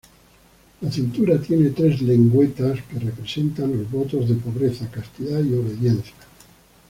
La cintura tiene tres lengüetas que representan los votos de pobreza, castidad y obediencia.